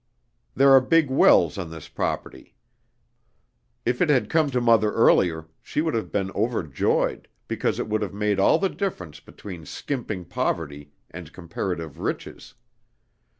There are big wells on this property. If it had come to Mother earlier, she would have been overjoyed, because it would have made all the difference between skimping poverty and comparative riches.